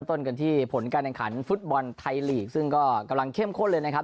ต้นกันที่ผลการแข่งขันฟุตบอลไทยลีกซึ่งก็กำลังเข้มข้นเลยนะครับ